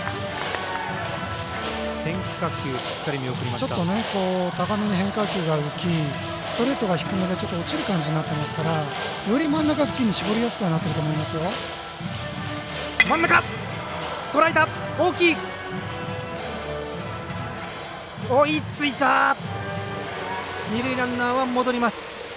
ちょっと高めの変化球が浮きストレートが低めで落ちる感じになってますからより真ん中付近を絞りやすいと二塁ランナーは戻ります。